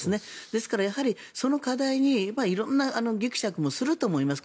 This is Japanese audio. ですから、その課題に色んなぎくしゃくもすると思います。